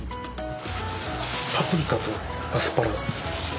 パプリカとアスパラ。